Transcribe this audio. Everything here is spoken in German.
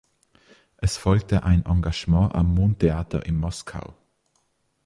Es folgte ein Engagement am Moon Theater in Moskau.